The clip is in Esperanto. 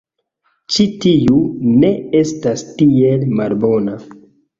Ĉi tiu... ne estas tiel malbona.